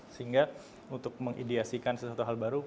sehingga untuk mengidiasikan sesuatu hal baru